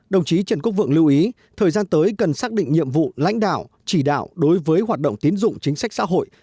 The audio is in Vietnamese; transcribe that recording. đồng chí trần quốc vượng lưu ý thời gian tới cần xác định nhiệm vụ lãnh đạo chỉ đạo đối với hoạt động tiến dụng chính sách xã hội